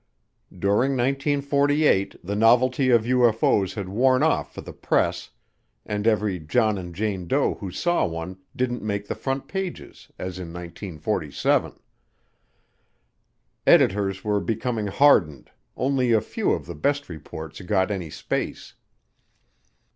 During 1948 the novelty of UFO's had worn off for the press and every John and Jane Doe who saw one didn't make the front pages as in 1947. Editors were becoming hardened, only a few of the best reports got any space.